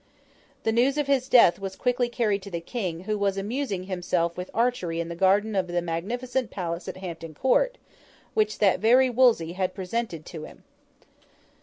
The news of his death was quickly carried to the King, who was amusing himself with archery in the garden of the magnificent Palace at Hampton Court, which that very Wolsey had presented to him.